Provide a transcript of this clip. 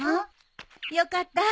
よかった。